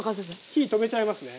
火止めちゃいますね。